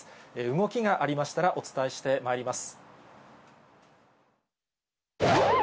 動きがありましたらお伝えしてまいります。